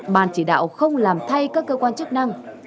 ban chỉ đạo không làm thay các cơ quan chức năng